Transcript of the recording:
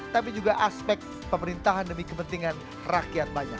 tapi juga aspek pemerintahan demi kepentingan rakyat banyak